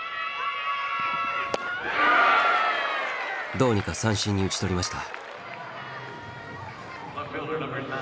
どうにか三振に打ち取りました。